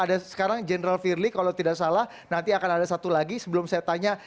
ada sekarang general firly kalau tidak salah nanti akan ada satu lagi sebelum saya tanya